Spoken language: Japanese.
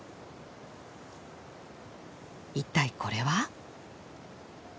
一体これは？